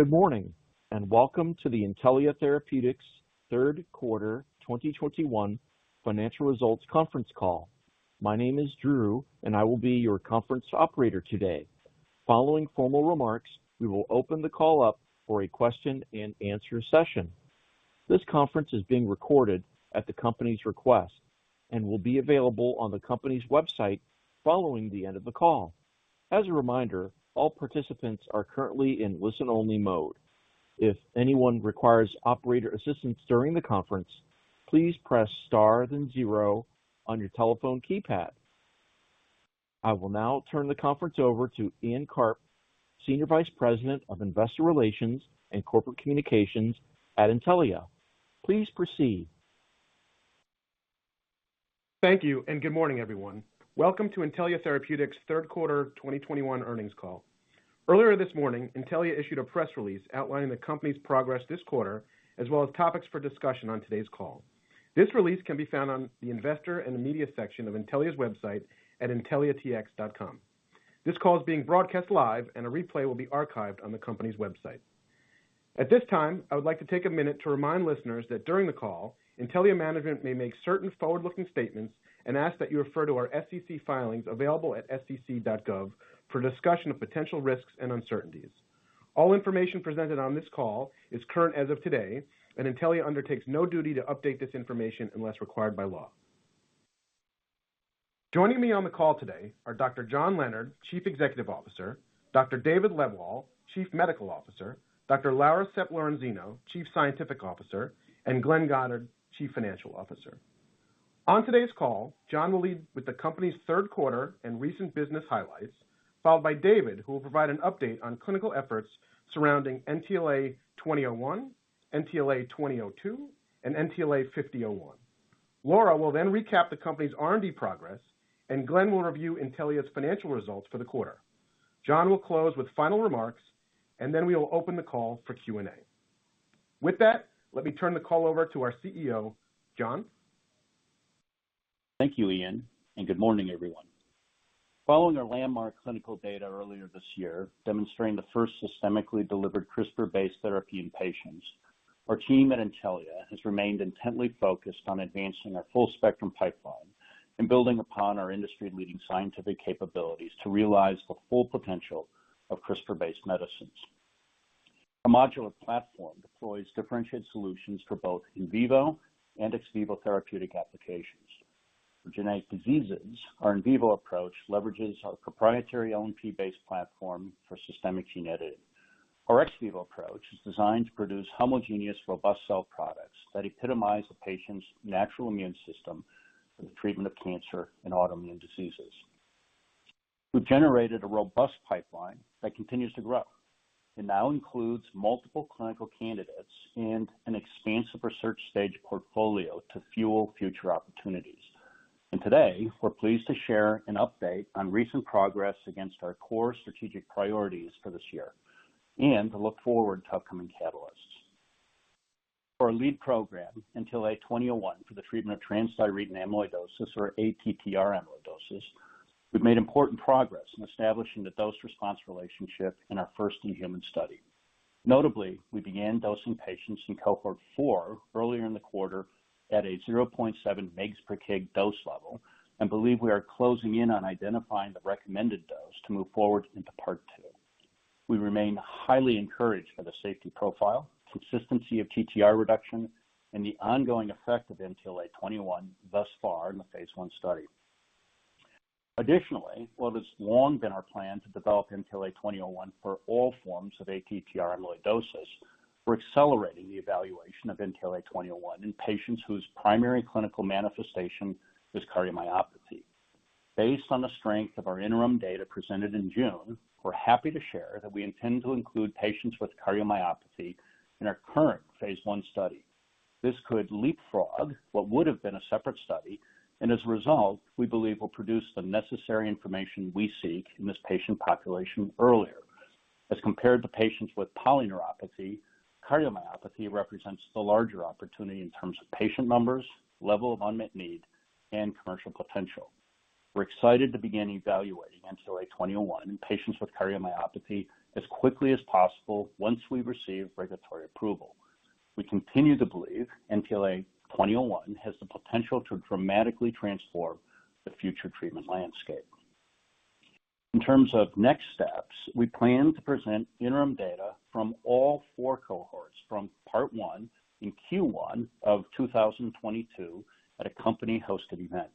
Good morning, and welcome to the Intellia Therapeutics third quarter 2021 financial results conference call. My name is Drew and I will be your conference operator today. Following formal remarks, we will open the call up for a question-and-answer session. This conference is being recorded at the company's request and will be available on the company's website following the end of the call. As a reminder, all participants are currently in listen-only mode. If anyone requires operator assistance during the conference, please press star then zero on your telephone keypad. I will now turn the conference over to Ian Karp, Senior Vice President of Investor Relations and Corporate Communications at Intellia. Please proceed. Thank you, and good morning, everyone. Welcome to Intellia Therapeutics' third quarter 2021 earnings call. Earlier this morning, Intellia issued a press release outlining the company's progress this quarter, as well as topics for discussion on today's call. This release can be found on the Investor and the Media section of Intellia's website at intelliatx.com. This call is being broadcast live and a replay will be archived on the company's website. At this time, I would like to take a minute to remind listeners that during the call, Intellia management may make certain forward-looking statements and ask that you refer to our SEC filings available at sec.gov for discussion of potential risks and uncertainties. All information presented on this call is current as of today, and Intellia undertakes no duty to update this information unless required by law. Joining me on the call today are Dr. John Leonard, Chief Executive Officer, Dr. David Lebwohl, Chief Medical Officer, Dr. Laura Sepp-Lorenzino, Chief Scientific Officer, and Glenn Goddard, Chief Financial Officer. On today's call, John will lead with the company's third quarter and recent business highlights, followed by David, who will provide an update on clinical efforts surrounding NTLA-2001, NTLA-2002, and NTLA-5001. Laura will then recap the company's R&D progress, and Glenn will review Intellia's financial results for the quarter. John will close with final remarks, and then we will open the call for Q&A. With that, let me turn the call over to our CEO, John. Thank you, Ian, and good morning, everyone. Following our landmark clinical data earlier this year, demonstrating the first systemically delivered CRISPR-based therapy in patients, our team at Intellia has remained intently focused on advancing our full spectrum pipeline and building upon our industry-leading scientific capabilities to realize the full potential of CRISPR-based medicines. Our modular platform deploys differentiated solutions for both in vivo and ex vivo therapeutic applications. For genetic diseases, our in vivo approach leverages our proprietary LNP-based platform for systemic gene editing. Our ex vivo approach is designed to produce homogeneous, robust cell products that epitomize the patient's natural immune system for the treatment of cancer and autoimmune diseases. We've generated a robust pipeline that continues to grow. It now includes multiple clinical candidates and an expansive research stage portfolio to fuel future opportunities. Today, we're pleased to share an update on recent progress against our core strategic priorities for this year and to look forward to upcoming catalysts. For our lead program, NTLA-2001, for the treatment of transthyretin amyloidosis or ATTR amyloidosis, we've made important progress in establishing the dose-response relationship in our first-in-human study. Notably, we began dosing patients in cohort four earlier in the quarter at a 0.7 mg per kg dose level and believe we are closing in on identifying the recommended dose to move forward into part two. We remain highly encouraged by the safety profile, consistency of TTR reduction, and the ongoing effect of NTLA-2001 thus far in the phase I study. Additionally, while it has long been our plan to develop NTLA-2001 for all forms of ATTR amyloidosis, we're accelerating the evaluation of NTLA-2001 in patients whose primary clinical manifestation is cardiomyopathy. Based on the strength of our interim data presented in June, we're happy to share that we intend to include patients with cardiomyopathy in our current phase I study. This could leapfrog what would have been a separate study, and as a result, we believe will produce the necessary information we seek in this patient population earlier. As compared to patients with polyneuropathy, cardiomyopathy represents the larger opportunity in terms of patient numbers, level of unmet need, and commercial potential. We're excited to begin evaluating NTLA-2001 in patients with cardiomyopathy as quickly as possible once we receive regulatory approval. We continue to believe NTLA-2001 has the potential to dramatically transform the future treatment landscape. In terms of next steps, we plan to present interim data from all four cohorts from part one in Q1 of 2022 at a company-hosted event.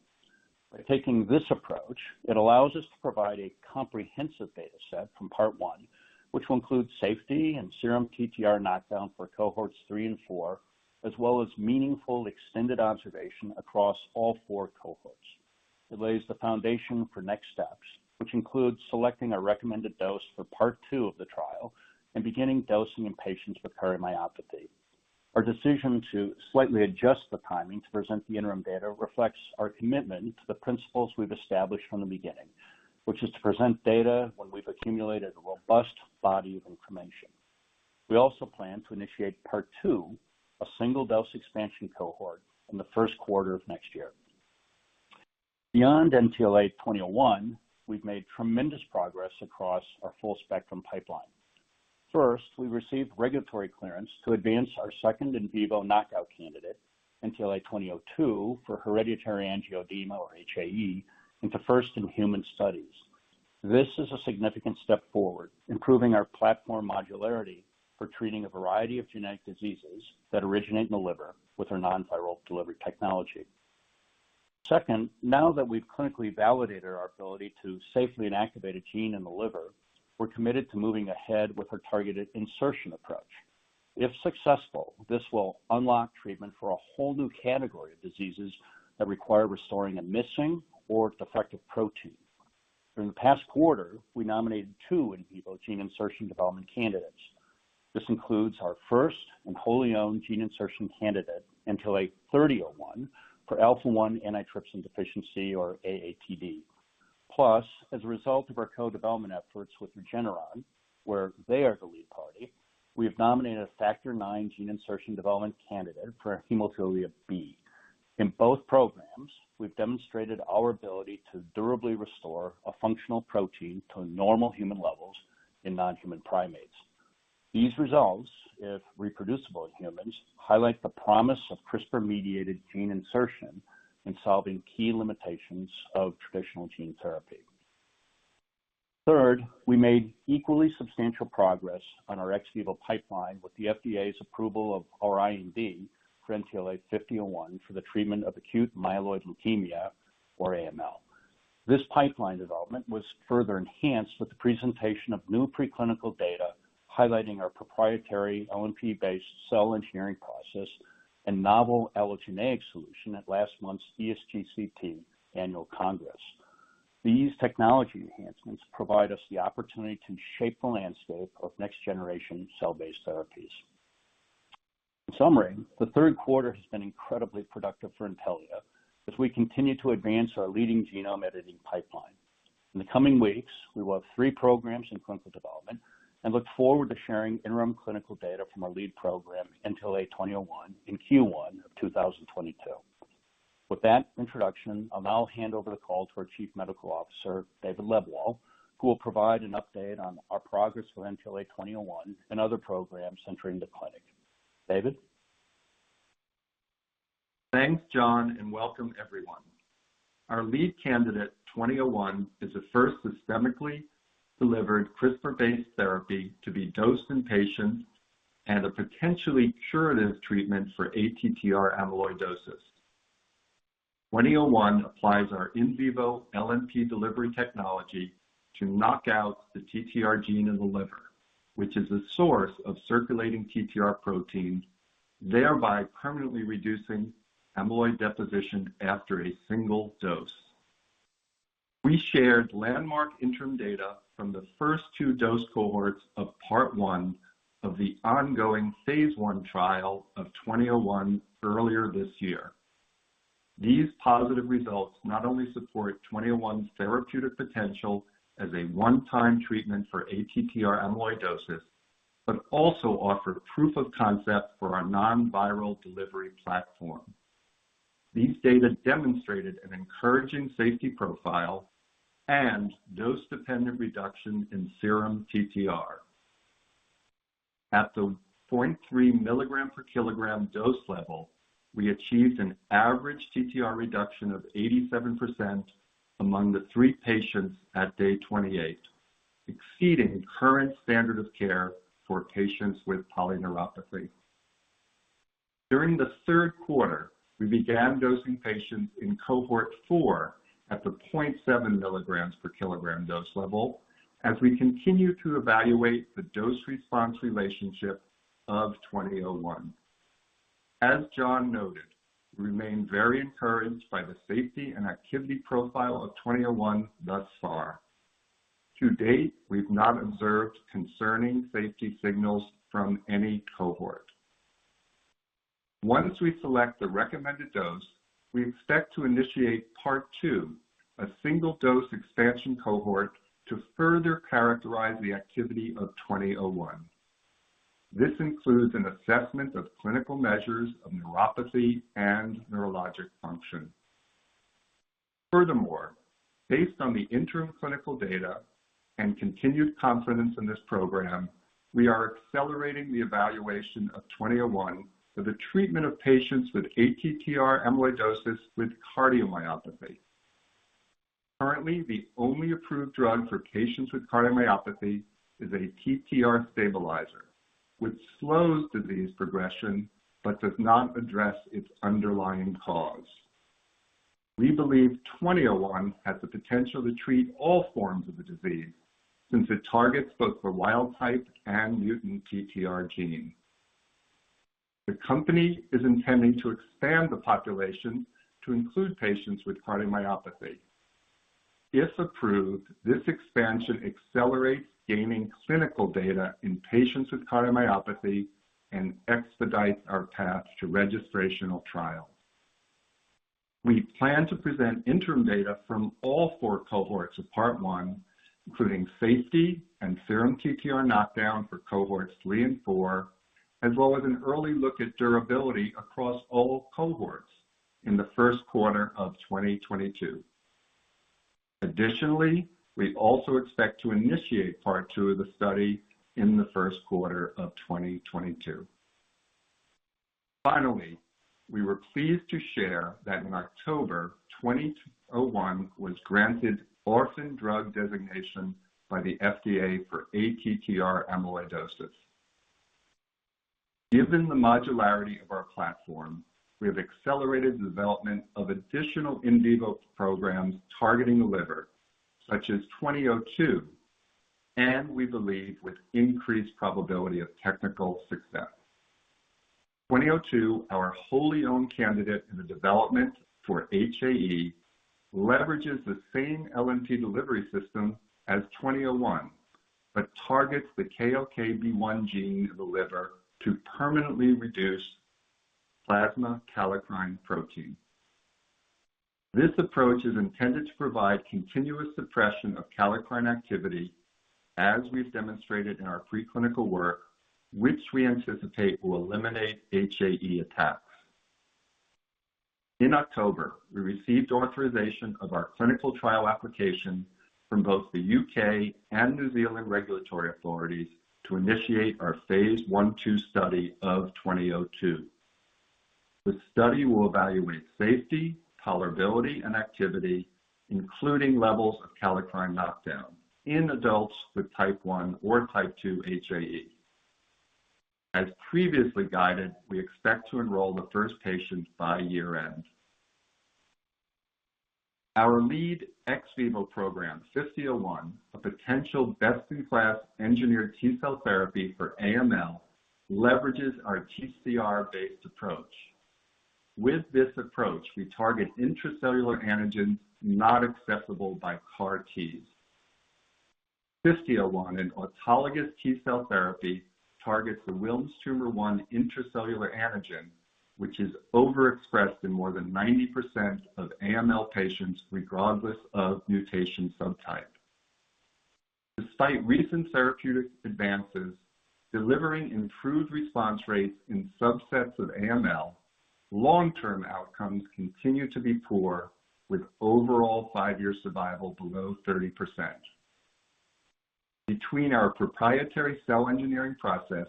By taking this approach, it allows us to provide a comprehensive data set from part one, which will include safety and serum TTR knockdown for cohorts three and four, as well as meaningful extended observation across all four cohorts. It lays the foundation for next steps, which includes selecting a recommended dose for part two of the trial and beginning dosing in patients with cardiomyopathy. Our decision to slightly adjust the timing to present the interim data reflects our commitment to the principles we've established from the beginning, which is to present data when we've accumulated a robust body of information. We also plan to initiate part two, a single-dose expansion cohort, in the first quarter of next year. Beyond NTLA-2001, we've made tremendous progress across our full spectrum pipeline. First, we received regulatory clearance to advance our second in vivo knockout candidate, NTLA-2002 for hereditary angioedema or HAE, into first-in-human studies. This is a significant step forward, improving our platform modularity for treating a variety of genetic diseases that originate in the liver with our non-viral delivery technology. Second, now that we've clinically validated our ability to safely inactivate a gene in the liver, we're committed to moving ahead with our targeted insertion approach. If successful, this will unlock treatment for a whole new category of diseases that require restoring a missing or defective protein. During the past quarter, we nominated two in vivo gene insertion development candidates. This includes our first and wholly-owned gene insertion candidate, NTLA-3001 for alpha-1 antitrypsin deficiency or AATD. Plus, as a result of our co-development efforts with Regeneron, where they are the lead party, we have nominated a factor IX gene insertion development candidate for hemophilia B. In both programs, we've demonstrated our ability to durably restore a functional protein to normal human levels in non-human primates. These results, if reproducible in humans, highlight the promise of CRISPR-mediated gene insertion in solving key limitations of traditional gene therapy. Third, we made equally substantial progress on our ex vivo pipeline with the FDA's approval of our IND for NTLA-5001 for the treatment of acute myeloid leukemia, or AML. This pipeline development was further enhanced with the presentation of new preclinical data highlighting our proprietary LNP-based cell engineering process and novel allogeneic solution at last month's ESGCT Annual Congress. These technology enhancements provide us the opportunity to shape the landscape of next-generation cell-based therapies. In summary, the third quarter has been incredibly productive for Intellia as we continue to advance our leading genome editing pipeline. In the coming weeks, we will have three programs in clinical development and look forward to sharing interim clinical data from our lead program, NTLA-2001 in Q1 of 2022. With that introduction, I'll now hand over the call to our Chief Medical Officer, David Lebwohl, who will provide an update on our progress with NTLA-2001 and other programs entering the clinic. David? Thanks, John, and welcome everyone. Our lead candidate, NTLA-2001, is the first systemically delivered CRISPR-based therapy to be dosed in patients and a potentially curative treatment for ATTR amyloidosis. NTLA-2001 applies our in vivo LNP delivery technology to knock out the TTR gene in the liver, which is the source of circulating TTR protein, thereby permanently reducing amyloid deposition after a single dose. We shared landmark interim data from the first two dose cohorts of Part one of the ongoing phase I trial of NTLA-2001 earlier this year. These positive results not only support NTLA-2001's therapeutic potential as a one-time treatment for ATTR amyloidosis but also offer proof of concept for our non-viral delivery platform. These data demonstrated an encouraging safety profile and dose-dependent reduction in serum TTR. At the 0.3 mg/kg dose level, we achieved an average TTR reduction of 87% among the three patients at day 28, exceeding current standard of care for patients with polyneuropathy. During the third quarter, we began dosing patients in cohort four at the 0.7 mg/kg dose level as we continue to evaluate the dose response relationship of 2001. As John noted, we remain very encouraged by the safety and activity profile of 2001 thus far. To date, we've not observed concerning safety signals from any cohort. Once we select the recommended dose, we expect to initiate Part two, a single-dose expansion cohort, to further characterize the activity of 2001. This includes an assessment of clinical measures of neuropathy and neurologic function. Furthermore, based on the interim clinical data and continued confidence in this program, we are accelerating the evaluation of NTLA-2001 for the treatment of patients with ATTR amyloidosis with cardiomyopathy. Currently, the only approved drug for patients with cardiomyopathy is a TTR stabilizer, which slows disease progression but does not address its underlying cause. We believe NTLA-2001 has the potential to treat all forms of the disease, since it targets both the wild type and mutant TTR gene. The company is intending to expand the population to include patients with cardiomyopathy. If approved, this expansion accelerates gaining clinical data in patients with cardiomyopathy and expedites our path to registrational trial. We plan to present interim data from all four cohorts of Part One, including safety and serum TTR knockdown for cohorts three and four. As well as an early look at durability across all cohorts in the first quarter of 2022. Additionally, we also expect to initiate part two of the study in the first quarter of 2022. Finally, we were pleased to share that in October, NTLA-2001 was granted orphan drug designation by the FDA for ATTR amyloidosis. Given the modularity of our platform, we have accelerated the development of additional in vivo programs targeting the liver, such as NTLA-2002, and we believe with increased probability of technical success. NTLA-2002, our wholly-owned candidate in the development for HAE, leverages the same LNP delivery system as NTLA-2001, but targets the KLKB1 gene of the liver to permanently reduce plasma kallikrein protein. This approach is intended to provide continuous suppression of kallikrein activity as we've demonstrated in our preclinical work, which we anticipate will eliminate HAE attacks. In October, we received authorization of our clinical trial application from both the U.K. and New Zealand regulatory authorities to initiate our phase I/II study of NTLA-2002. The study will evaluate safety, tolerability, and activity, including levels of kallikrein knockdown in adults with type one or type two HAE. As previously guided, we expect to enroll the first patient by year-end. Our lead ex vivo program, NTLA-5001, a potential best-in-class engineered T-cell therapy for AML, leverages our TCR-based approach. With this approach, we target intracellular antigens not accessible by CAR-Ts. NTLA-5001, an autologous T-cell therapy, targets the Wilms' Tumor 1 intracellular antigen, which is overexpressed in more than 90% of AML patients regardless of mutation subtype. Despite recent therapeutic advances delivering improved response rates in subsets of AML, long-term outcomes continue to be poor, with overall five-year survival below 30%. Between our proprietary cell engineering process,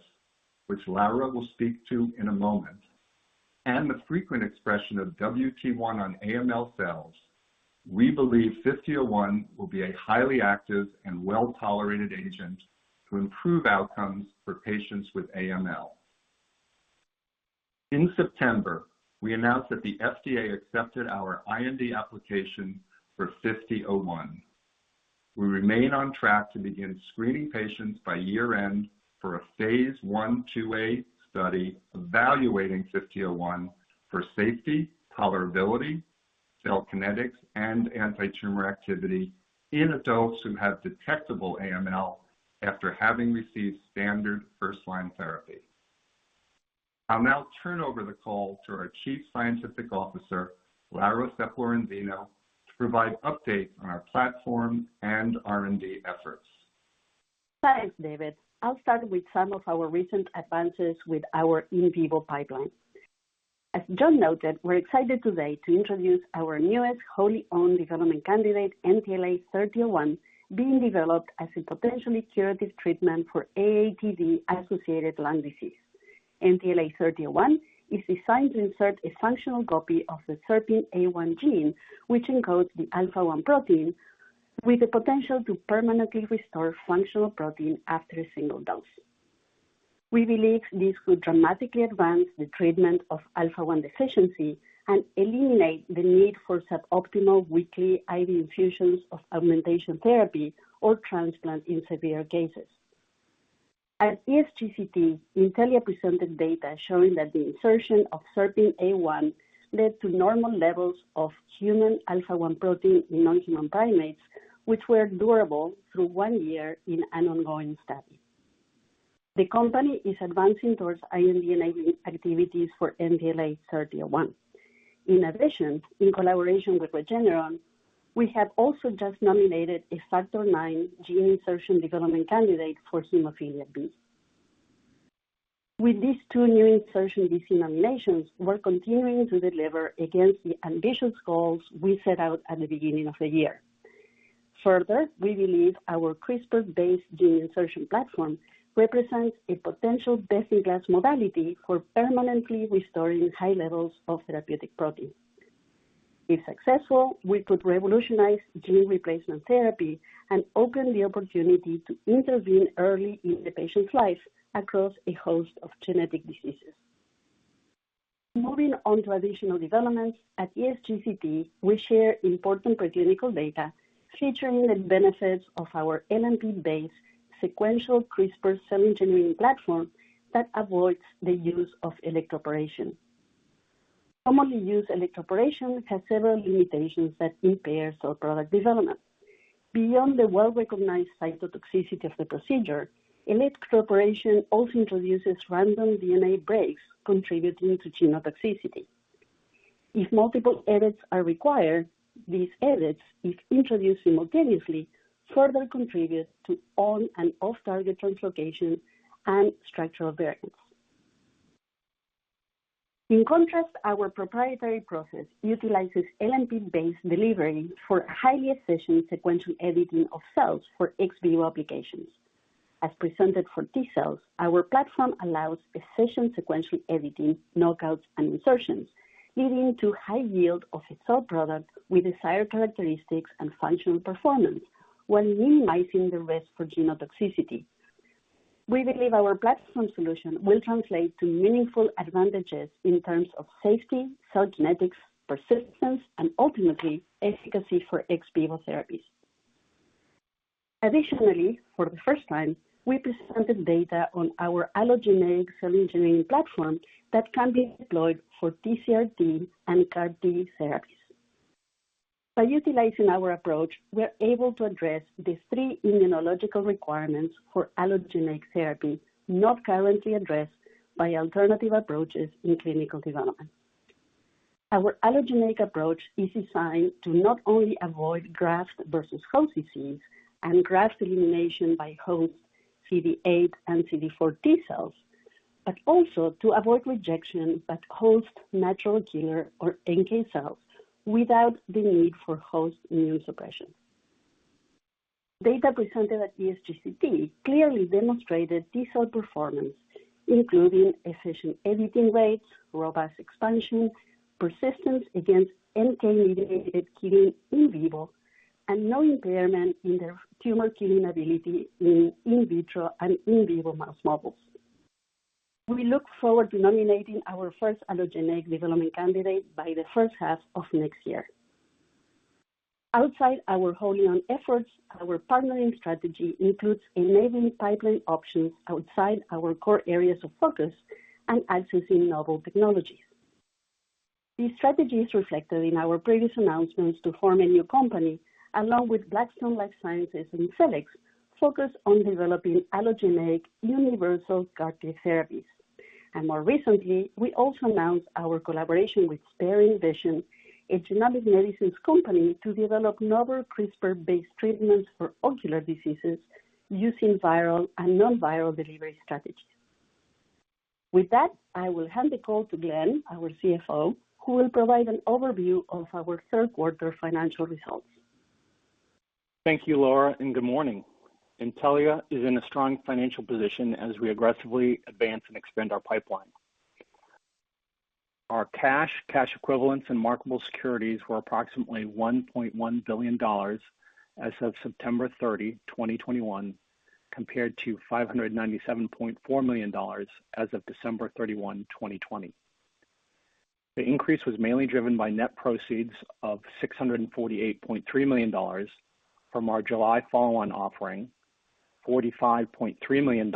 which Laura Sepp-Lorenzino will speak to in a moment, and the frequent expression of WT1 on AML cells, we believe NTLA-5001 will be a highly active and well-tolerated agent to improve outcomes for patients with AML. In September, we announced that the FDA accepted our IND application for NTLA-5001. We remain on track to begin screening patients by year-end for a phase I/IIa study evaluating NTLA-5001 for safety, tolerability, cell kinetics, and antitumor activity in adults who have detectable AML after having received standard first-line therapy. I'll now turn over the call to our chief scientific officer, Laura Sepp-Lorenzino, to provide update on our platform and R&D efforts. Thanks, David. I'll start with some of our recent advances with our in vivo pipeline. As John noted, we're excited today to introduce our newest wholly-owned development candidate, NTLA-3001, being developed as a potentially curative treatment for AATD-associated lung disease. NTLA-3001 is designed to insert a functional copy of the SERPINA1 gene, which encodes the alpha-1 protein, with the potential to permanently restore functional protein after a single dose. We believe this could dramatically advance the treatment of alpha-1 deficiency and eliminate the need for suboptimal weekly IV infusions of augmentation therapy or transplant in severe cases. At ESGCT, Intellia presented data showing that the insertion of SERPINA1 led to normal levels of human alpha-1 protein in non-human primates, which were durable through one year in an ongoing study. The company is advancing towards IND-enabling activities for NTLA-3001. In addition, in collaboration with Regeneron, we have also just nominated a factor IX gene insertion development candidate for hemophilia B. With these two new insertion nominations, we're continuing to deliver against the ambitious goals we set out at the beginning of the year. Further, we believe our CRISPR-based gene insertion platform represents a potential best-in-class modality for permanently restoring high levels of therapeutic protein. If successful, we could revolutionize gene replacement therapy and open the opportunity to intervene early in the patient's life across a host of genetic diseases. Moving on to additional developments, at ESGCT, we share important preclinical data featuring the benefits of our LNP-based sequential CRISPR cell engineering platform that avoids the use of electroporation. Commonly used electroporation has several limitations that impair our product development. Beyond the well-recognized cytotoxicity of the procedure, electroporation also introduces random DNA breaks contributing to genotoxicity. If multiple edits are required, these edits, if introduced simultaneously, further contribute to on- and off-target translocations and structural variants. In contrast, our proprietary process utilizes LNP-based delivery for highly efficient sequential editing of cells for ex vivo applications. As presented for T cells, our platform allows efficient sequential editing, knockouts, and insertions, leading to high yield of a cell product with desired characteristics and functional performance, while minimizing the risk for genotoxicity. We believe our platform solution will translate to meaningful advantages in terms of safety, cell genetics, persistence, and ultimately, efficacy for ex vivo therapies. Additionally, for the first time, we presented data on our allogeneic cell engineering platform that can be deployed for TCR-T and CAR-T therapies. By utilizing our approach, we're able to address the three immunological requirements for allogeneic therapy not currently addressed by alternative approaches in clinical development. Our allogeneic approach is designed to not only avoid graft versus host disease and graft elimination by host CD8 and CD4 T cells, but also to avoid rejection by host natural killer, or NK cells, without the need for host immunosuppression. Data presented at ESGCT clearly demonstrated T-cell performance, including efficient editing rates, robust expansion, persistence against NK-mediated killing in vivo, and no impairment in their tumor killing ability in in vitro and in vivo mouse models. We look forward to nominating our first allogeneic development candidate by the first half of next year. Outside our wholly-owned efforts, our partnering strategy includes enabling pipeline options outside our core areas of focus and accessing novel technologies. This strategy is reflected in our previous announcements to form a new company, along with Blackstone Life Sciences and Cellex, focused on developing allogeneic universal CAR-T therapies. More recently, we also announced our collaboration with SparingVision, a genomic medicines company, to develop novel CRISPR-based treatments for ocular diseases using viral and non-viral delivery strategies. With that, I will hand the call to Glenn, our CFO, who will provide an overview of our third quarter financial results. Thank you, Laura, and good morning. Intellia is in a strong financial position as we aggressively advance and expand our pipeline. Our cash equivalents and marketable securities were approximately $1.1 billion as of September 30th, 2021, compared to $597.4 million as of December 31, 2020. The increase was mainly driven by net proceeds of $648.3 million from our July follow-on offering, $45.3 million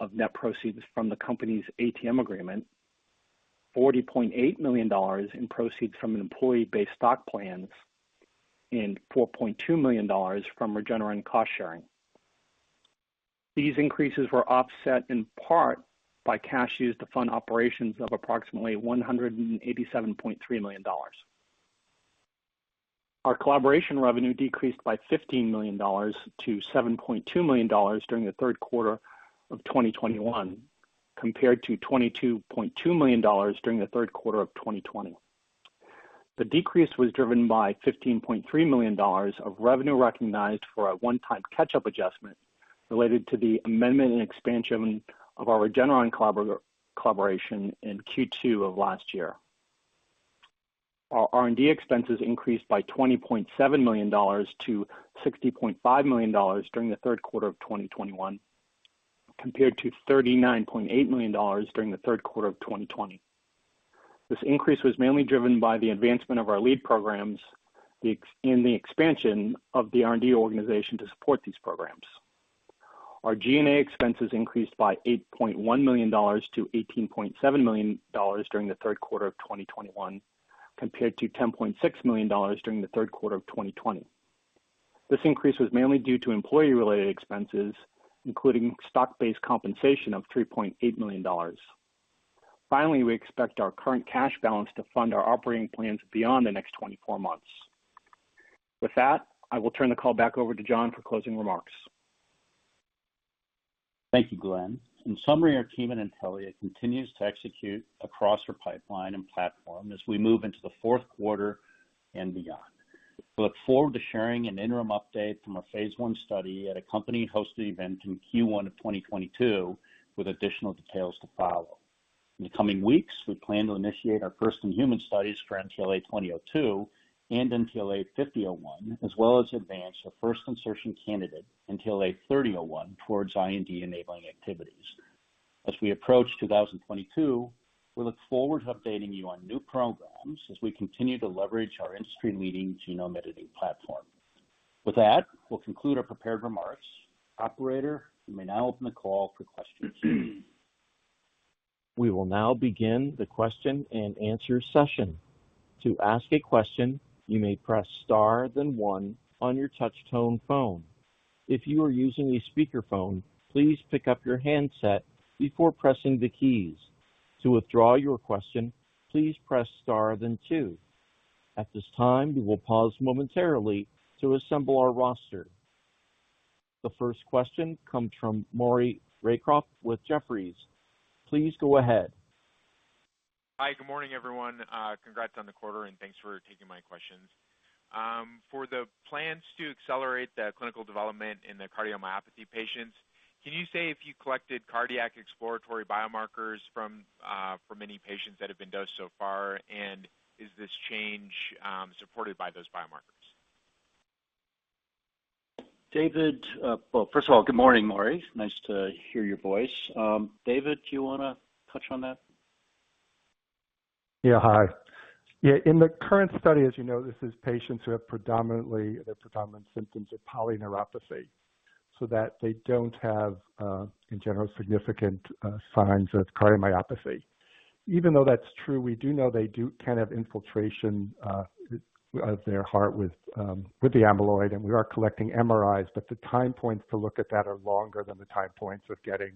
of net proceeds from the company's ATM agreement, $40.8 million in proceeds from an employee-based stock plans, and $4.2 million from Regeneron cost sharing. These increases were offset in part by cash used to fund operations of approximately $187.3 million. Our collaboration revenue decreased by $15 million-$7.2 million during the third quarter of 2021, compared to $22.2 million during the third quarter of 2020. The decrease was driven by $15.3 million of revenue recognized for a one-time catch-up adjustment related to the amendment and expansion of our Regeneron collaboration in Q2 of last year. Our R&D expenses increased by $20.7 million-$60.5 million during the third quarter of 2021, compared to $39.8 million during the third quarter of 2020. This increase was mainly driven by the advancement of our lead programs in the expansion of the R&D organization to support these programs. Our G&A expenses increased by $8.1 million-$18.7 million during the third quarter of 2021, compared to $10.6 million during the third quarter of 2020. This increase was mainly due to employee-related expenses, including stock-based compensation of $3.8 million. Finally, we expect our current cash balance to fund our operating plans beyond the next 24 months. With that, I will turn the call back over to John for closing remarks. Thank you, Glenn. In summary, our team at Intellia continues to execute across our pipeline and platform as we move into the fourth quarter and beyond. We look forward to sharing an interim update from our phase I study at a company-hosted event in Q1 of 2022, with additional details to follow. In the coming weeks, we plan to initiate our first-in-human studies for NTLA-2002 and NTLA-5001, as well as advance our first insertion candidate, NTLA-3001, towards IND-enabling activities. As we approach 2022, we look forward to updating you on new programs as we continue to leverage our industry-leading genome editing platform. With that, we'll conclude our prepared remarks. Operator, you may now open the call for questions. We will now begin the question-and-answer session. To ask a question, you may press star then one on your touch tone phone. If your using speakerphone, please pick up your handset before pressing the key. To withdraw your question, please press star then two. At this time, we will pause momentarily to assemble our roster. The first question comes from Maury Raycroft with Jefferies. Please go ahead. Hi. Good morning, everyone. Congrats on the quarter, and thanks for taking my questions. For the plans to accelerate the clinical development in the cardiomyopathy patients, can you say if you collected cardiac exploratory biomarkers from any patients that have been dosed so far? Is this change supported by those biomarkers? David. Well, first of all, good morning, Maury. Nice to hear your voice. David, do you wanna touch on that? Yeah. Hi. Yeah, in the current study, as you know, this is patients who have predominantly the predominant symptoms of polyneuropathy, so that they don't have in general significant signs of cardiomyopathy. Even though that's true, we do know they can have infiltration of their heart with the amyloid, and we are collecting MRIs, but the time points to look at that are longer than the time points of getting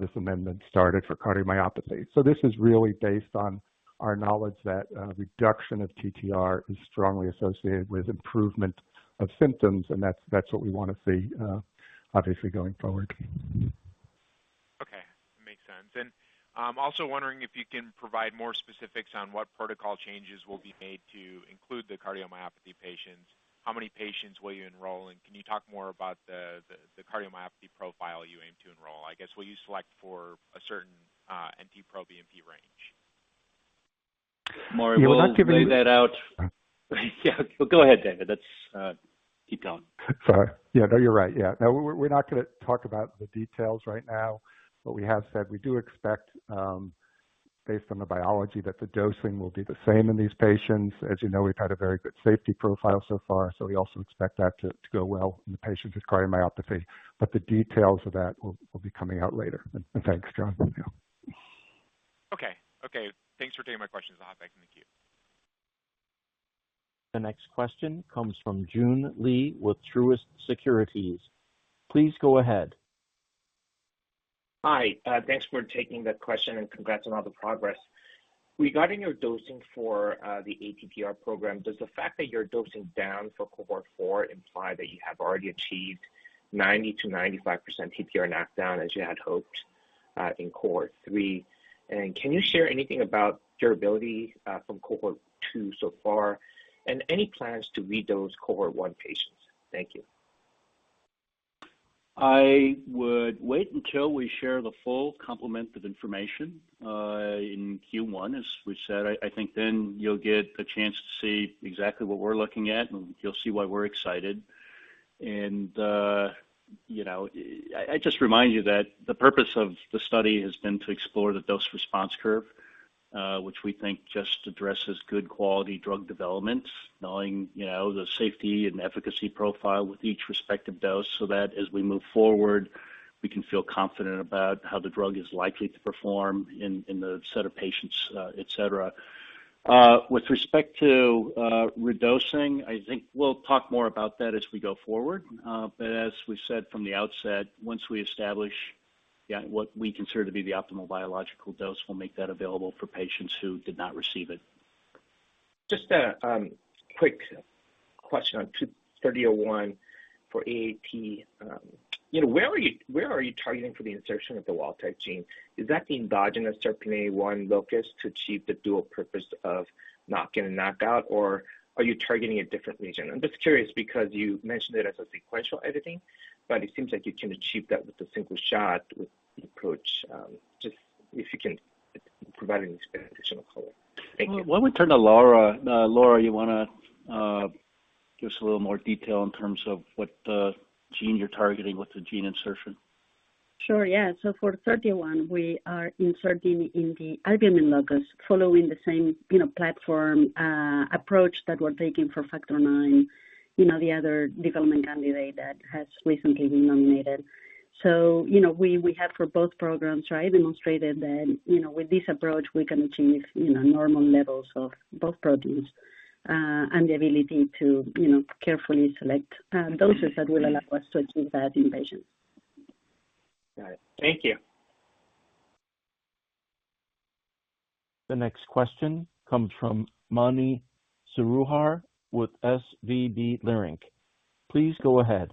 this amendment started for cardiomyopathy. This is really based on our knowledge that reduction of TTR is strongly associated with improvement of symptoms, and that's what we wanna see, obviously, going forward. Okay. Makes sense. I'm also wondering if you can provide more specifics on what protocol changes will be made to include the cardiomyopathy patients. How many patients will you enroll? Can you talk more about the cardiomyopathy profile you aim to enroll? I guess, will you select for a certain NT-proBNP range? Maury, we'll let David lay that out. Yeah. Go ahead, David. That's. Keep going. Sorry. Yeah. No, you're right. Yeah. No, we're not gonna talk about the details right now, but we have said we do expect, based on the biology, that the dosing will be the same in these patients. As you know, we've had a very good safety profile so far, so we also expect that to go well in the patients with cardiomyopathy. But the details of that will be coming out later. Thanks, John. Yeah. Okay. Thanks for taking my questions. I'll hop back in the queue. The next question comes from Joon Lee with Truist Securities. Please go ahead. Hi. Thanks for taking the question, and congrats on all the progress. Regarding your dosing for the ATTR program, does the fact that you're dosing down for cohort four imply that you have already achieved 90%-95% TTR knockdown as you had hoped in cohort three? Can you share anything about durability from cohort two so far, and any plans to read those cohort onw patients? Thank you. I would wait until we share the full complement of information in Q1, as we said. I think then you'll get a chance to see exactly what we're looking at, and you'll see why we're excited. You know, I just remind you that the purpose of the study has been to explore the dose response curve, which we think just addresses good quality drug development, knowing, you know, the safety and efficacy profile with each respective dose, so that as we move forward, we can feel confident about how the drug is likely to perform in the set of patients, et cetera. With respect to redosing, I think we'll talk more about that as we go forward. As we said from the outset, once we establish what we consider to be the optimal biological dose, we'll make that available for patients who did not receive it. Just a quick question on NTLA-3001 for AAT. You know, where are you targeting for the insertion of the wild-type gene? Is that the endogenous SERPINA1 locus to achieve the dual purpose of knock-in and knockout, or are you targeting a different region? I'm just curious because you mentioned it as sequential editing, but it seems like you can achieve that with a single shot with the approach. Just if you can provide any additional color. Thank you. Why don't we turn to Laura? Laura, you wanna give us a little more detail in terms of what gene you're targeting with the gene insertion? Sure. Yeah. For NTLA-3001, we are inserting in the albumin locus, following the same, you know, platform approach that we're taking for factor IX, you know, the other development candidate that has recently been nominated. You know, we have for both programs, right, demonstrated that, you know, with this approach, we can achieve, you know, normal levels of both proteins and the ability to, you know, carefully select doses that will allow us to achieve that in patients. Got it. Thank you. The next question comes from Mani Foroohar with SVB Leerink. Please go ahead.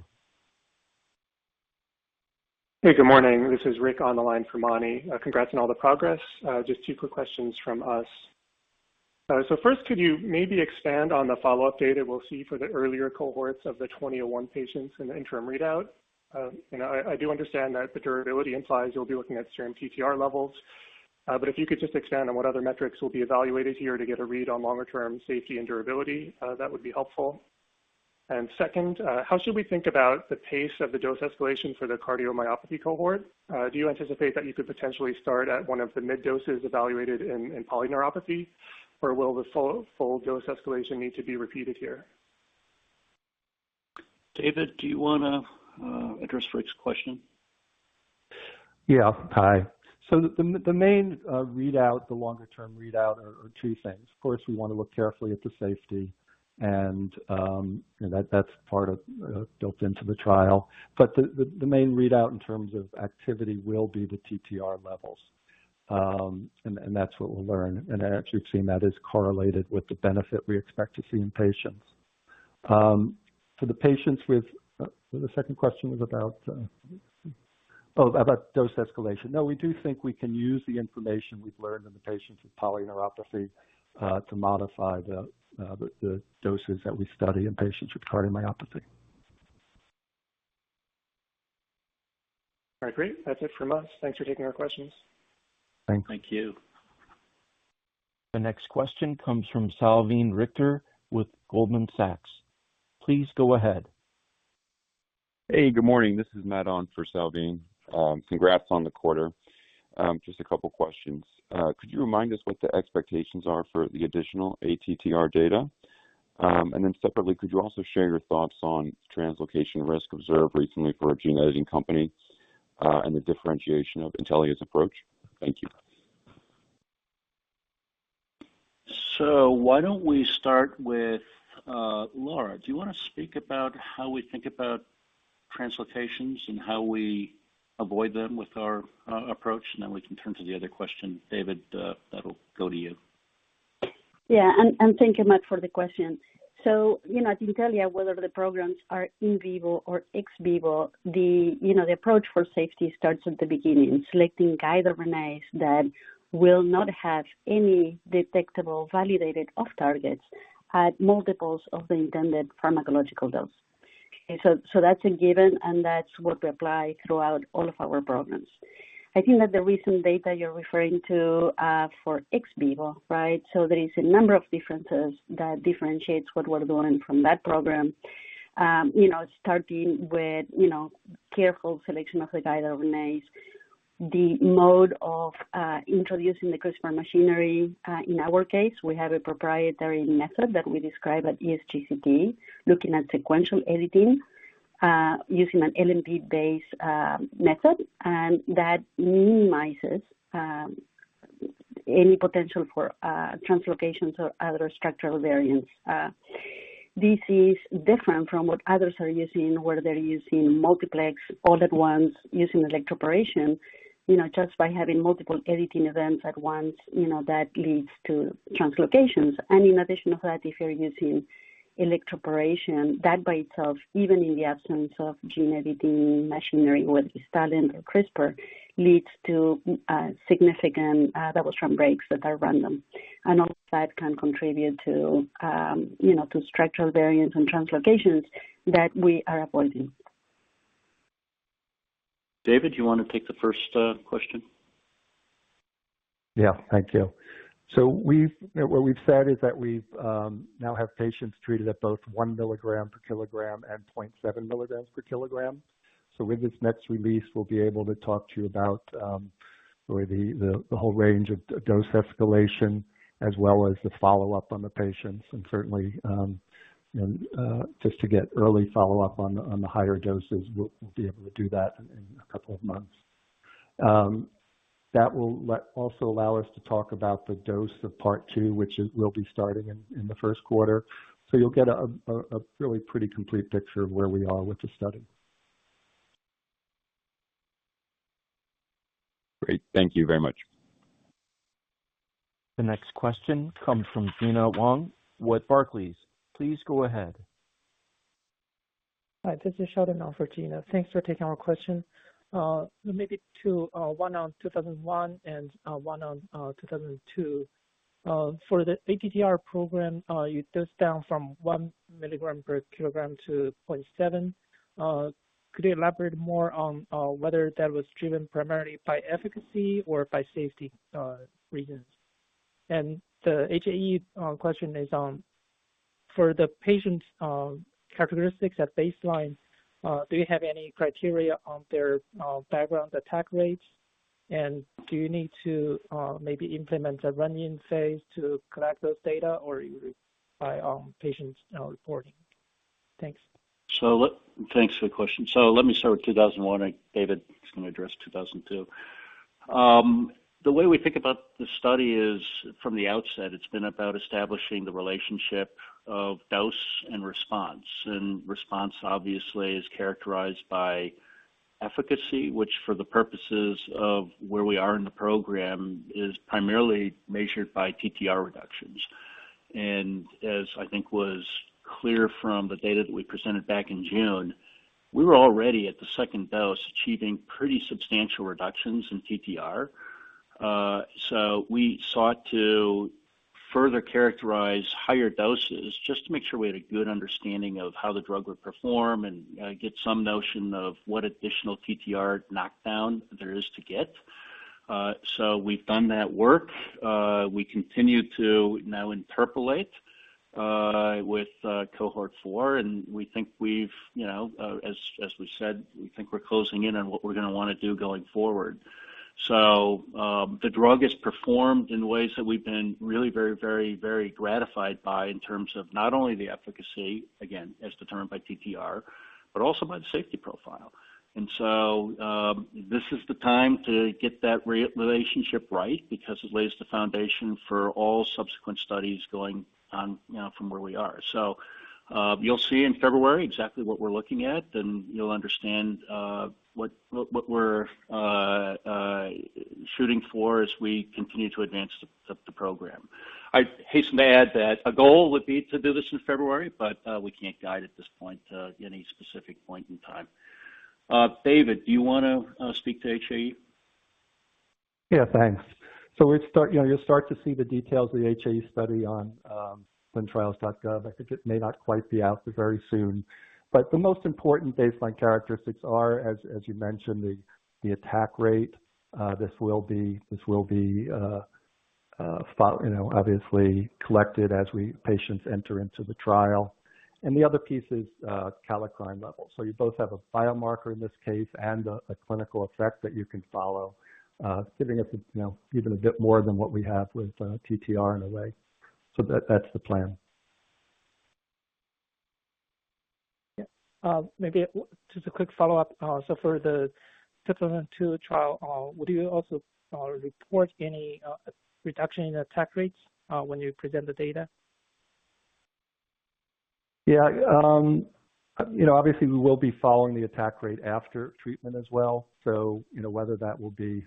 Hey, good morning. This is Rick on the line for Mani. Congrats on all the progress. Just two quick questions from us. So first, could you maybe expand on the follow-up data we'll see for the earlier cohorts of the NTLA-2001 patients in the interim readout? You know, I do understand that the durability implies you'll be looking at certain TTR levels. But if you could just expand on what other metrics will be evaluated here to get a read on longer term safety and durability, that would be helpful. Second, how should we think about the pace of the dose escalation for the cardiomyopathy cohort? Do you anticipate that you could potentially start at one of the mid doses evaluated in polyneuropathy, or will the full dose escalation need to be repeated here? David, do you wanna address Rick's question? Hi. The main readout, the longer term readout are two things. Of course, we wanna look carefully at the safety and that's part of built into the trial. But the main readout in terms of activity will be the TTR levels. That's what we'll learn. As you've seen, that is correlated with the benefit we expect to see in patients. For the patients with the second question was about oh, about dose escalation. No, we do think we can use the information we've learned in the patients with polyneuropathy to modify the doses that we study in patients with cardiomyopathy. All right. Great. That's it from us. Thanks for taking our questions. Thank you. Thank you. The next question comes from Salveen Richter with Goldman Sachs. Please go ahead. Hey, good morning. This is Matt on for Salveen. Congrats on the quarter. Just a couple questions. Could you remind us what the expectations are for the additional ATTR data? Separately, could you also share your thoughts on translocation risk observed recently for a gene editing company, and the differentiation of Intellia's approach? Thank you. Why don't we start with Laura? Do you wanna speak about how we think about translocations and how we avoid them with our approach? And then we can turn to the other question. David, that'll go to you. Thank you, Matt, for the question. You know, at Intellia, whether the programs are in vivo or ex vivo, you know, the approach for safety starts at the beginning, selecting guide RNAs that will not have any detectable validated off targets at multiples of the intended pharmacological dose. Okay. That's a given, and that's what we apply throughout all of our programs. I think that the recent data you're referring to, for ex vivo, right? There is a number of differences that differentiates what we're doing from that program. You know, starting with, you know, careful selection of the guide RNAs. The mode of introducing the CRISPR machinery, in our case, we have a proprietary method that we describe at ESGCT, looking at sequential editing, using an LNP-based method, and that minimizes any potential for translocations or other structural variants. This is different from what others are using, where they're using multiplex all at once using electroporation. You know, just by having multiple editing events at once, you know, that leads to translocations. In addition to that, if you're using electroporation, that by itself, even in the absence of gene editing machinery, whether it's TALEN or CRISPR, leads to significant double-strand breaks that are random. Also, that can contribute to, you know, to structural variants and translocations that we are avoiding. David, do you wanna take the first question? Yeah. Thank you. What we've said is that we've now have patients treated at both 1 mg/kg and 0.7 mg/kg. With this next release, we'll be able to talk to you about really the whole range of dose escalation as well as the follow-up on the patients. Certainly, just to get early follow-up on the higher doses, we'll be able to do that in a couple of months. That will also allow us to talk about the dose of Part Two, which will be starting in the first quarter. You'll get a really pretty complete picture of where we are with the study. Great. Thank you very much. The next question comes from Gina Wang with Barclays. Please go ahead. Hi. This is Sheldon on for Gena. Thanks for taking our question. Maybe two, one on 2001 and one on 2002. For the ATTR program, you dosed down from 1 mg/kg-0.7 mg/kg. Could you elaborate more on whether that was driven primarily by efficacy or by safety reasons? The HAE question is on, for the patient characteristics at baseline, do you have any criteria on their background attack rates? Do you need to maybe implement a run-in phase to collect those data or by patient reporting? Thanks. Thanks for the question. Let me start with NTLA-2001, and David is gonna address NTLA-2002. The way we think about the study is, from the outset, it's been about establishing the relationship of dose and response, and response obviously is characterized by efficacy, which for the purposes of where we are in the program, is primarily measured by TTR reductions. As I think was clear from the data that we presented back in June, we were already at the second dose achieving pretty substantial reductions in TTR. We sought to further characterize higher doses just to make sure we had a good understanding of how the drug would perform and get some notion of what additional TTR knockdown there is to get. We've done that work. We continue to now interpolate with cohort four, and we think we've, you know, as we said, we think we're closing in on what we're gonna wanna do going forward. The drug has performed in ways that we've been really very gratified by in terms of not only the efficacy, again, as determined by TTR, but also by the safety profile. This is the time to get that relationship right because it lays the foundation for all subsequent studies going on, you know, from where we are. You'll see in February exactly what we're looking at, and you'll understand what we're shooting for as we continue to advance the program. I hasten to add that a goal would be to do this in February, but we can't guide at this point any specific point in time. David, do you wanna speak to HAE? Yeah, thanks. We start. You know, you'll start to see the details of the HAE study on ClinicalTrials.gov. I think it may not quite be out, but very soon. The most important baseline characteristics are, as you mentioned, the attack rate. This will be filled, you know, obviously collected as patients enter into the trial. The other piece is kallikrein levels. You both have a biomarker in this case and a clinical effect that you can follow, giving us, you know, even a bit more than what we have with TTR in a way. That's the plan. Yeah. Maybe just a quick follow-up. For the supplement to the trial, would you also report any reduction in attack rates when you present the data? Yeah. You know, obviously we will be following the attack rate after treatment as well. You know, whether that will be,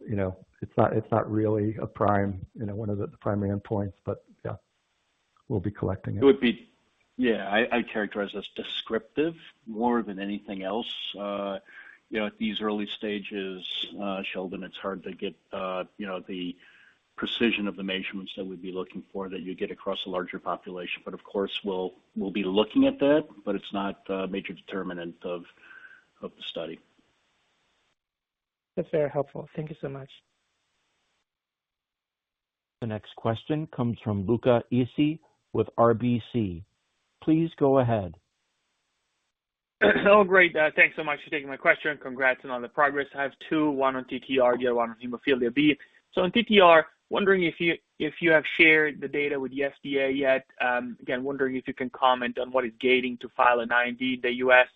you know, it's not really one of the primary endpoints, but yeah, we'll be collecting it. It would be yeah. I characterize it as descriptive more than anything else. You know, at these early stages, Sheldon, it's hard to get, you know, the precision of the measurements that we'd be looking for that you get across a larger population. But of course, we'll be looking at that, but it's not a major determinant of the study. That's very helpful. Thank you so much. The next question comes from Luca Issi with RBC. Please go ahead. Oh, great. Thanks so much for taking my question. Congrats on all the progress. I have two, one on TTR, the other one on hemophilia B. On TTR, wondering if you have shared the data with the FDA yet. Again, wondering if you can comment on what is gating to file an IND in the U.S.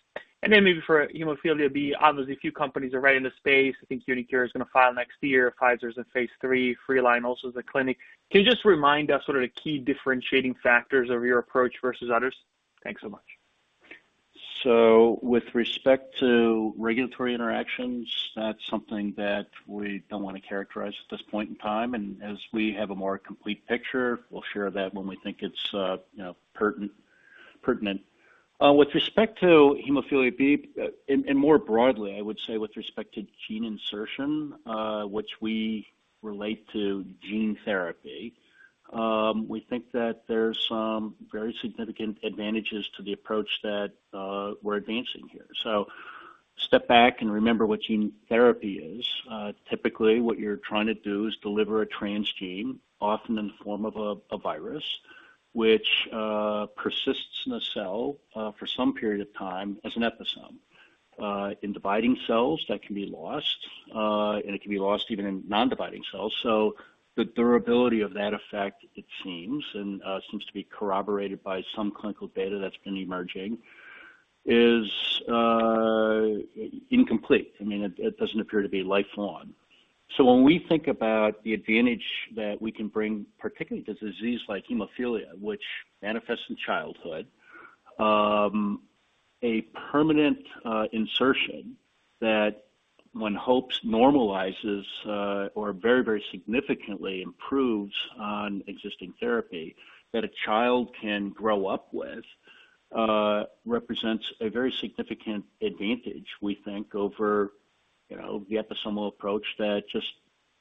Maybe for hemophilia B, obviously a few companies are right in the space. I think uniQure is gonna file next year. Pfizer's in phase III. Freeline also is in clinic. Can you just remind us what are the key differentiating factors of your approach versus others? Thanks so much. With respect to regulatory interactions, that's something that we don't wanna characterize at this point in time. As we have a more complete picture, we'll share that when we think it's, you know, pertinent. With respect to hemophilia B, and more broadly, I would say with respect to gene insertion, which we relate to gene therapy, we think that there's some very significant advantages to the approach that we're advancing here. Step back and remember what gene therapy is. Typically, what you're trying to do is deliver a transgene, often in the form of a virus, which persists in a cell for some period of time as an episome. In dividing cells, that can be lost, and it can be lost even in non-dividing cells. The durability of that effect, it seems, is corroborated by some clinical data that's been emerging, is incomplete. I mean, it doesn't appear to be lifelong. When we think about the advantage that we can bring, particularly to disease like hemophilia, which manifests in childhood, a permanent insertion that one hopes normalizes or very significantly improves on existing therapy that a child can grow up with represents a very significant advantage, we think, over, you know, the episomal approach that just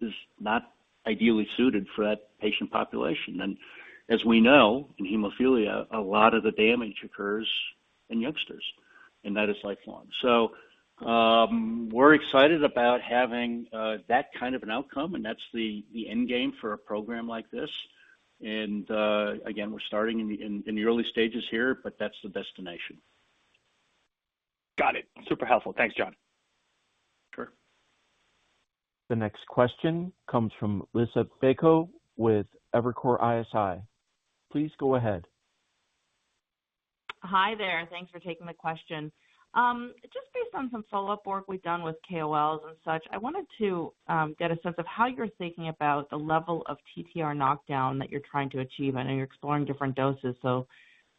is not ideally suited for that patient population. As we know, in hemophilia, a lot of the damage occurs in youngsters, and that is lifelong. We're excited about having that kind of an outcome, and that's the end game for a program like this. Again, we're starting in the early stages here, but that's the destination. Got it. Super helpful. Thanks, John. Sure. The next question comes from Liisa Bayko with Evercore ISI. Please go ahead. Hi there. Thanks for taking the question. Just based on some follow-up work we've done with KOLs and such, I wanted to get a sense of how you're thinking about the level of TTR knockdown that you're trying to achieve? I know you're exploring different doses, so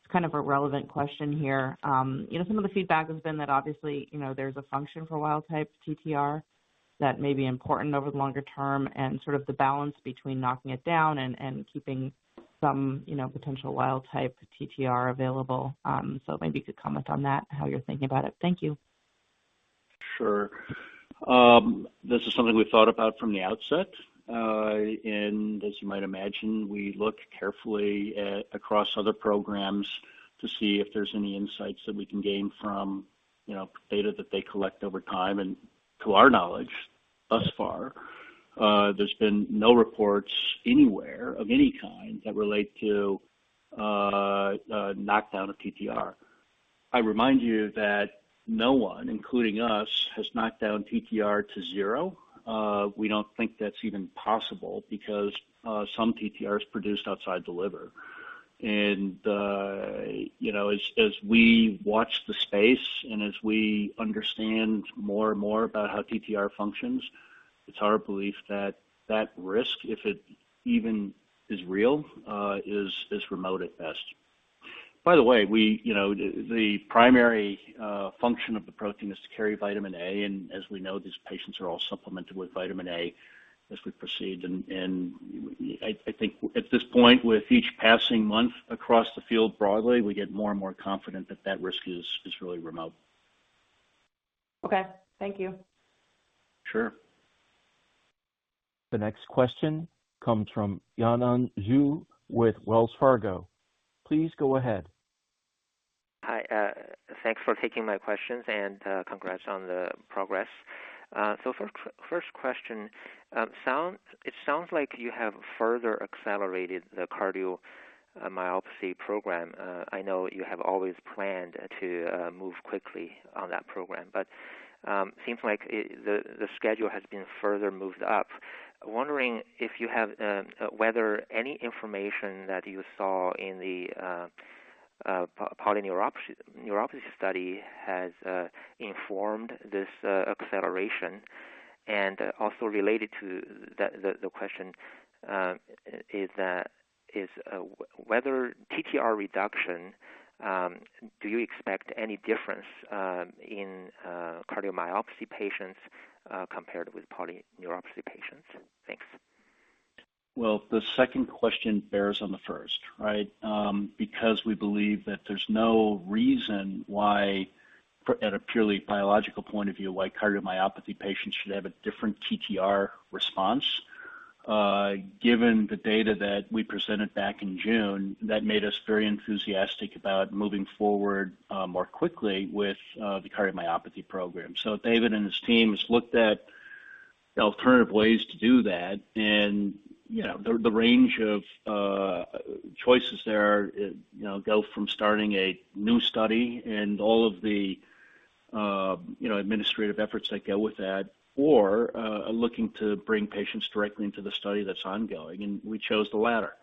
it's kind of a relevant question here. You know, some of the feedback has been that obviously, you know, there's a function for wild type TTR that may be important over the longer term and sort of the balance between knocking it down and keeping some, you know, potential wild type TTR available. So maybe you could comment on that, how you're thinking about it? Thank you. Sure. This is something we've thought about from the outset. As you might imagine, we look carefully across other programs to see if there's any insights that we can gain from, you know, data that they collect over time. To our knowledge, thus far, there's been no reports anywhere of any kind that relate to knockdown of TTR. I remind you that no one, including us, has knocked down TTR to zero. We don't think that's even possible because some TTR is produced outside the liver. You know, as we watch the space and as we understand more and more about how TTR functions, it's our belief that that risk, if it even is real, is remote at best. By the way, you know, the primary function of the protein is to carry vitamin A, and as we know, these patients are all supplemented with vitamin A as we proceed. I think at this point, with each passing month across the field broadly, we get more and more confident that that risk is really remote. Okay. Thank you. Sure. The next question comes from Yanan Zhu with Wells Fargo. Please go ahead. Hi, thanks for taking my questions and congrats on the progress. So first question. It sounds like you have further accelerated the cardiomyopathy program. I know you have always planned to move quickly on that program, but seems like the schedule has been further moved up. Wondering if you have whether any information that you saw in the polyneuropathy study has informed this acceleration? Also related to the question is whether TTR reduction do you expect any difference in cardiomyopathy patients compared with polyneuropathy patients? Thanks. Well, the second question bears on the first, right? Because we believe that there's no reason why, at a purely biological point of view, why cardiomyopathy patients should have a different TTR response. Given the data that we presented back in June, that made us very enthusiastic about moving forward more quickly with the cardiomyopathy program. David and his teams looked at alternative ways to do that. You know, the range of choices there, you know, go from starting a new study and all of the administrative efforts that go with that, or looking to bring patients directly into the study that's ongoing. We chose the latter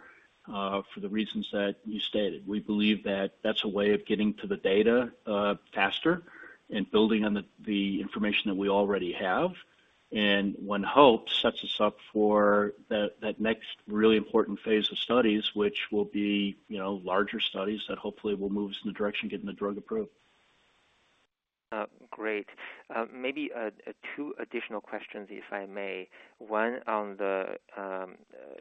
for the reasons that you stated. We believe that that's a way of getting to the data faster and building on the information that we already have. One hopes it sets us up for that next really important phase of studies, which will be, you know, larger studies that hopefully will move us in the direction of getting the drug approved. Great. Maybe two additional questions, if I may. One, on the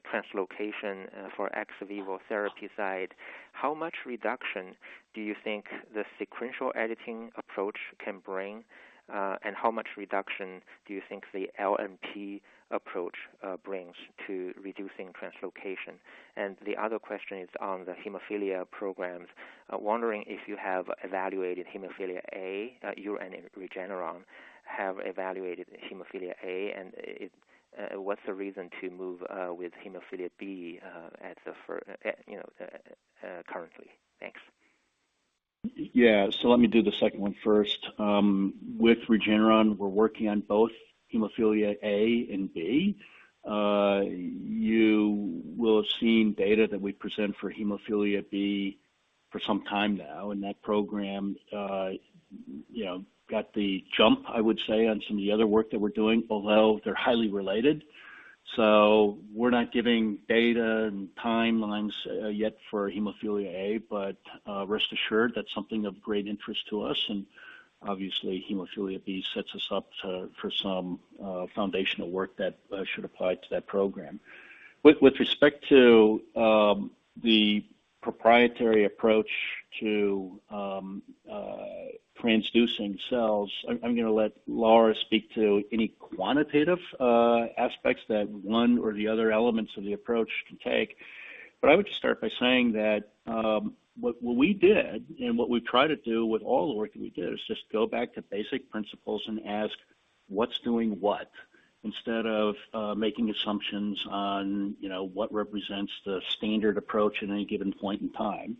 translocation for ex vivo therapy side, how much reduction do you think the sequential editing approach can bring? How much reduction do you think the LNP approach brings to reducing translocation? The other question is on the hemophilia programs, wondering if you and Regeneron have evaluated hemophilia A. What's the reason to move with hemophilia B as a first, you know, currently? Thanks. Yeah. Let me do the second one first. With Regeneron, we're working on both hemophilia A and B. You will have seen data that we present for hemophilia B for some time now, and that program, you know, got the jump, I would say, on some of the other work that we're doing, although they're highly related. We're not giving data and timelines yet for hemophilia A, but rest assured, that's something of great interest to us. Obviously, hemophilia B sets us up to, for some, foundational work that should apply to that program. With respect to the proprietary approach to transducing cells, I'm gonna let Laura speak to any quantitative aspects that one or the other elements of the approach can take. I would just start by saying that what we did and what we try to do with all the work that we did is just go back to basic principles and ask, "What's doing what?" Instead of making assumptions on, you know, what represents the standard approach at any given point in time.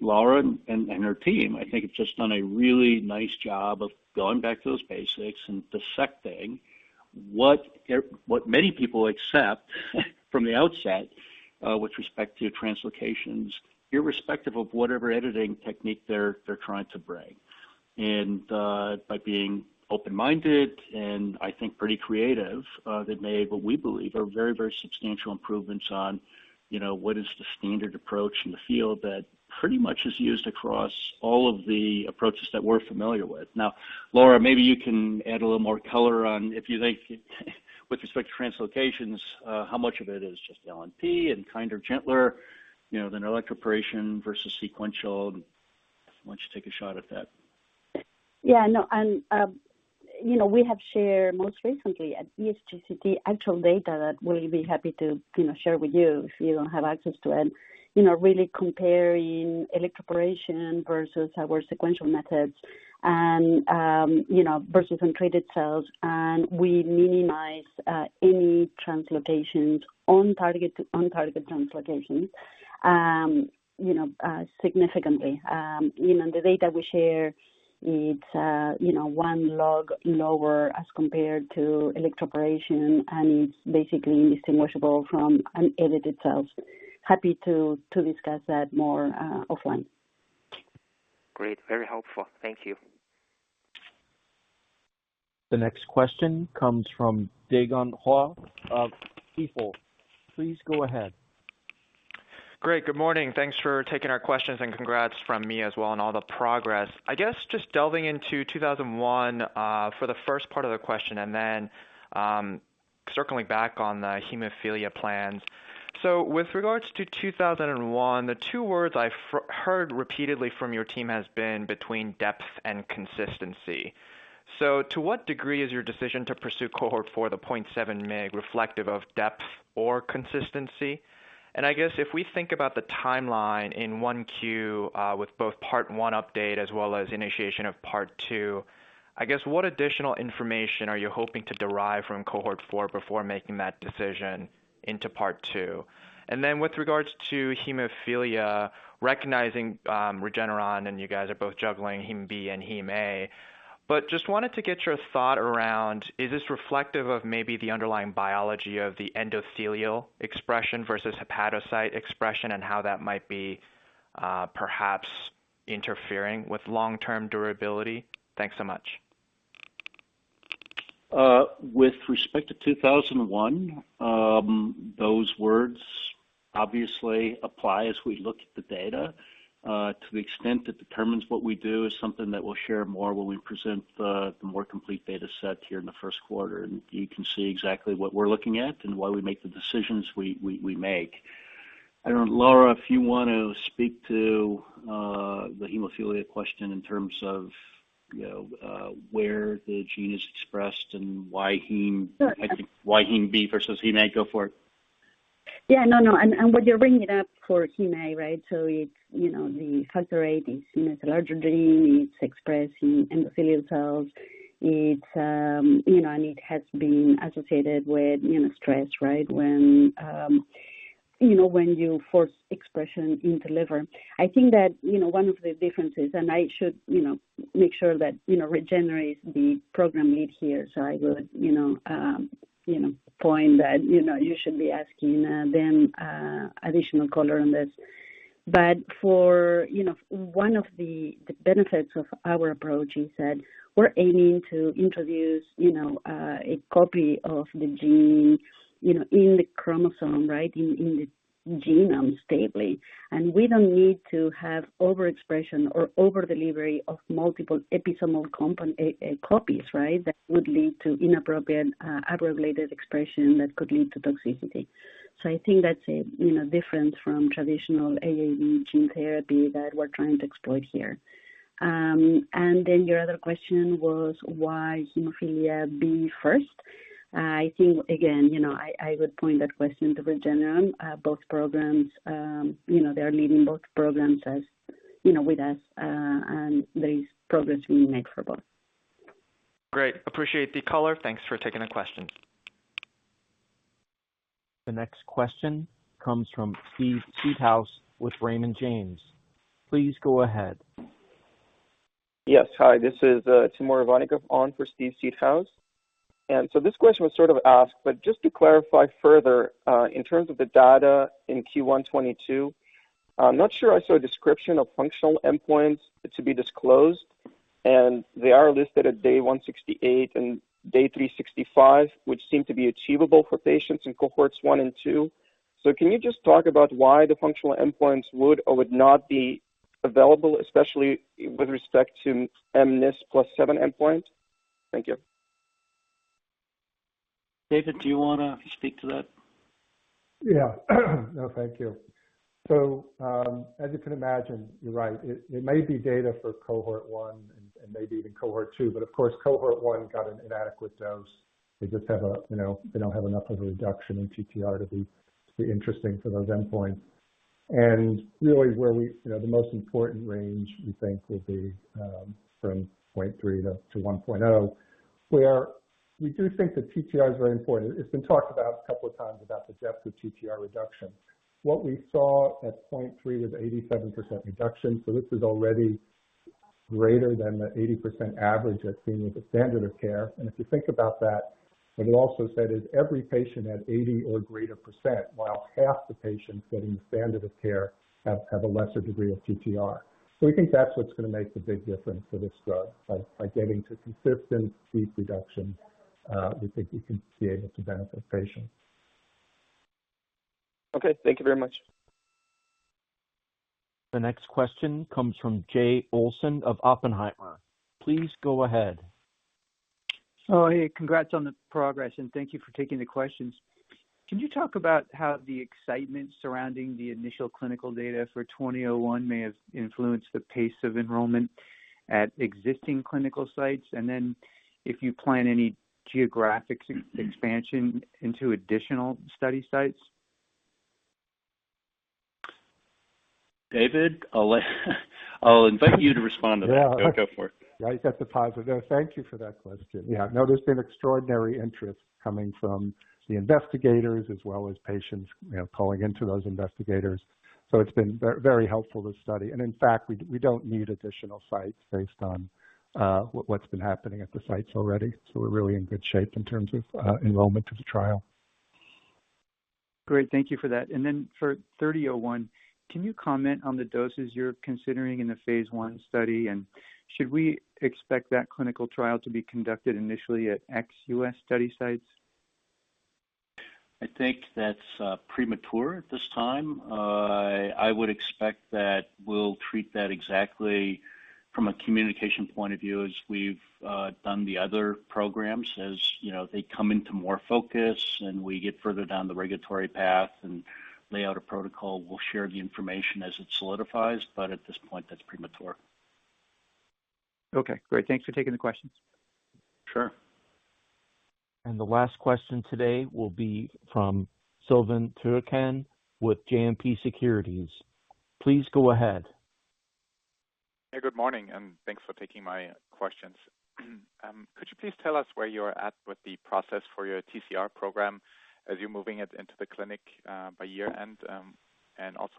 Laura and her team, I think, have just done a really nice job of going back to those basics and dissecting what many people accept from the outset, with respect to translocations, irrespective of whatever editing technique they're trying to bring. By being open-minded and I think pretty creative, they've made what we believe are very substantial improvements on, you know, what is the standard approach in the field that pretty much is used across all of the approaches that we're familiar with. Now, Laura, maybe you can add a little more color on if you think with respect to translocations, how much of it is just LNP and kinder, gentler, you know, than electroporation versus sequential. Why don't you take a shot at that? Yeah, no. We have shared most recently at ESGCT the actual data that we'll be happy to, you know, share with you if you don't have access to it. You know, really comparing electroporation versus our sequential methods and, you know, versus untreated cells. We minimize any off-target translocations, you know, significantly. You know, the data we share, it's you know, one log lower as compared to electroporation and basically indistinguishable from unedited cells. Happy to discuss that more offline. Great, very helpful. Thank you. The next question comes from Dae Gon Ha of BofA. Please go ahead. Great. Good morning. Thanks for taking our questions, and congrats from me as well on all the progress. I guess just delving into NTLA-2001 for the first part of the question and then circling back on the hemophilia plans. With regards to NTLA-2001, the two words I've heard repeatedly from your team has been between depth and consistency. To what degree is your decision to pursue cohort four, the 0.7 mg, reflective of depth or consistency? And I guess if we think about the timeline in 1Q with both part one update as well as initiation of part two, I guess, what additional information are you hoping to derive from cohort four before making that decision into part two? With regards to hemophilia, recognizing Regeneron and you guys are both juggling hemophilia B and hemophilia A, but just wanted to get your thought around, is this reflective of maybe the underlying biology of the endothelial expression versus hepatocyte expression and how that might be perhaps interfering with long-term durability? Thanks so much. With respect to 2001, those words obviously apply as we look at the data. To the extent it determines what we do is something that we'll share more when we present the more complete data set here in the first quarter. You can see exactly what we're looking at and why we make the decisions we make. I don't know, Laura, if you want to speak to the hemophilia question in terms of where the gene is expressed and why Hem? Sure. I think why hem B versus hem A. Go for it. Yeah, no. What you're bringing it up for hemophilia A, right? It's, you know, the factor VIII is, you know, it's a larger gene. It's expressed in endothelial cells. It's, you know, and it has been associated with, you know, stress, right? When, you know, when you force expression in the liver. I think that, you know, one of the differences, and I should, you know, make sure that, you know, Regeneron is the program lead here. I would, you know, point that, you know, you should be asking them additional color on this. For, you know, one of the benefits of our approach is that we're aiming to introduce, you know, a copy of the gene, you know, in the chromosome, right? In the genome stably. We don't need to have overexpression or over delivery of multiple episomal copies, right? That would lead to inappropriate, unregulated expression that could lead to toxicity. I think that's, you know, different from traditional AAV gene therapy that we're trying to exploit here. Your other question was why hemophilia B first? I think, again, you know, I would point that question to Regeneron. Both programs, you know, they're leading both programs as, you know, with us, and there is progress we make for both. Great. Appreciate the color. Thanks for taking the question. The next question comes from Steve Seedhouse with Raymond James. Please go ahead. Yes, hi. This is Timur Ivannikov on for Steve Seedhouse. This question was sort of asked, but just to clarify further, in terms of the data in Q1 2022, I'm not sure I saw a description of functional endpoints to be disclosed, and they are listed at day 168 and day 365, which seem to be achievable for patients in cohorts one and two. Can you just talk about why the functional endpoints would or would not be available, especially with respect to mNIS+7 endpoint? Thank you. David, do you wanna speak to that? Yeah. No, thank you. As you can imagine, you're right. It may be data for cohort one and maybe even cohort two, but of course, cohort one got an inadequate dose. They just have, you know, they don't have enough of a reduction in TTR to be interesting for those endpoints. Really where we, you know, the most important range we think will be from 0.3-1.0, where we do think that TTR is very important. It's been talked about a couple of times about the depth of TTR reduction. What we saw at 0.3 was 87% reduction, so this is already greater than the 80% average that's seen with the standard of care. If you think about that, what we also said is every patient had 80% or greater, while half the patients getting the standard of care have a lesser degree of TTR. We think that's what's gonna make the big difference for this drug. By getting to consistent TTR reduction, we think we can be able to benefit patients. Okay. Thank you very much. The next question comes from Jay Olson of Oppenheimer. Please go ahead. Oh, hey. Congrats on the progress, and thank you for taking the questions. Can you talk about how the excitement surrounding the initial clinical data for NTLA-2001 may have influenced the pace of enrollment at existing clinical sites? If you plan any geographic expansion into additional study sites? David, I'll invite you to respond to that. Yeah. Go for it. Right at the positive. Thank you for that question. Yeah, no, there's been extraordinary interest coming from the investigators as well as patients, you know, calling into those investigators. So, it's been very helpful to the study. In fact, we don't need additional sites based on what's been happening at the sites already. So, we're really in good shape in terms of enrollment to the trial. Great. Thank you for that. For 3001, can you comment on the doses you're considering in the phase I study? Should we expect that clinical trial to be conducted initially at ex-U.S. study sites? I think that's premature at this time. I would expect that we'll treat that exactly from a communication point of view as we've done the other programs. As you know, they come into more focus and we get further down the regulatory path and lay out a protocol, we'll share the information as it solidifies. At this point, that's premature. Okay, great. Thanks for taking the questions. Sure. The last question today will be from Silvan Türkcan with JMP Securities. Please go ahead. Hey, good morning, and thanks for taking my questions. Could you please tell us where you're at with the process for your TCR program as you're moving it into the clinic by year-end?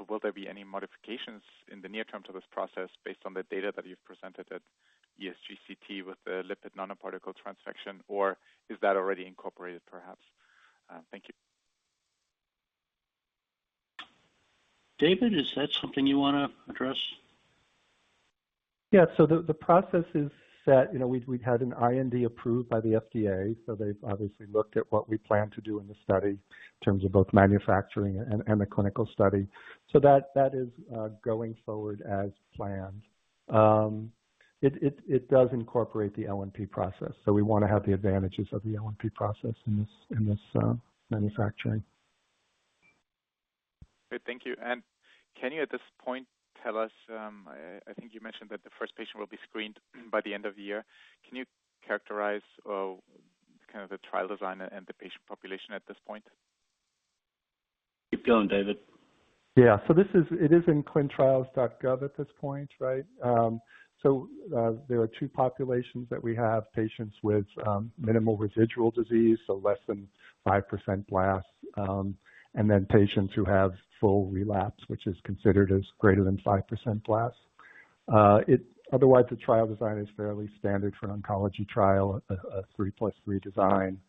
Will there be any modifications in the near term to this process based on the data that you've presented at ESGCT with the lipid nanoparticle transfection? Or is that already incorporated, perhaps? Thank you. David, is that something you wanna address? Yeah. The process is set. You know, we've had an IND approved by the FDA, so they've obviously looked at what we plan to do in the study in terms of both manufacturing and the clinical study. That is going forward as planned. It does incorporate the LNP process, so we wanna have the advantages of the LNP process in this manufacturing. Great. Thank you. Can you at this point tell us, I think you mentioned that the first patient will be screened by the end of the year. Can you characterize, kind of the trial design and the patient population at this point? Keep going, David. Yeah, this is in ClinicalTrials.gov at this point, right? There are two populations that we have, patients with minimal residual disease, so less than 5% blast, and then patients who have full relapse, which is considered as greater than 5% blast. Otherwise, the trial design is fairly standard for oncology trial, a 3 + 3 design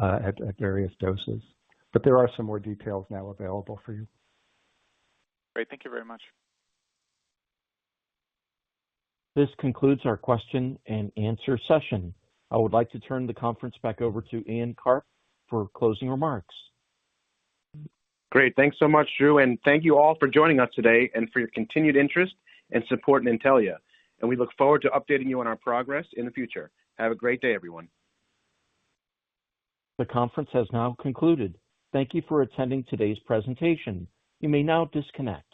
at various doses. But there are some more details now available for you. Great. Thank you very much. This concludes our question-and-answer session. I would like to turn the conference back over to Ian Karp for closing remarks. Great. Thanks so much, Drew, and thank you all for joining us today and for your continued interest and support in Intellia. We look forward to updating you on our progress in the future. Have a great day, everyone. The conference has now concluded. Thank you for attending today's presentation. You may now disconnect.